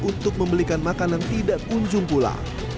untuk membelikan makanan tidak kunjung pula